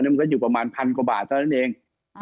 มันก็อยู่ประมาณพันกว่าบาทเท่านั้นเอง